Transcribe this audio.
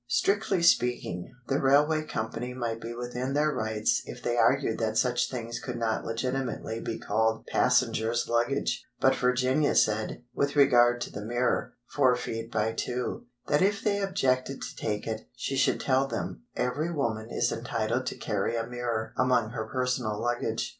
Strictly speaking, the railway company might be within their rights if they argued that such things could not legitimately be called passenger's luggage; but Virginia said, with regard to the mirror—4 feet × 2—that if they objected to take it, she should tell them every woman is entitled to carry a mirror among her personal luggage.